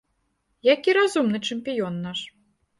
Які разумны чэмпіён наш.